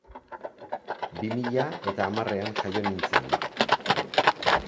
Bi mila eta hamarrean jaio nintzen.